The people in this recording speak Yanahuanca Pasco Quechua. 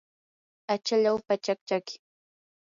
achalaw pachak chaki.